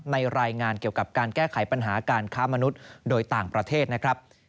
รายงานเกี่ยวกับการแก้ไขปัญหาการค้ามนุษย์โดยต่างประเทศนะครับ